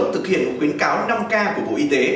thực hiện một quyến cáo năm k của bộ y tế